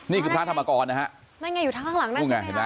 นี่คือพระธรรมกรนะฮะนั่นไงอยู่ทั้งข้างหลังนั่นนี่ไงเห็นไหม